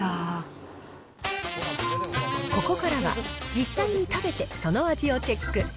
ここからは、実際に食べてその味をチェック。